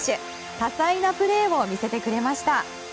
多彩なプレーを見せてくれました。